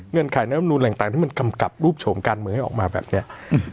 เงื่อนไขน้ำรุนแหล่งต่างที่มันกำกับรูปโฉมการเมืองให้ออกมาแบบเนี่ย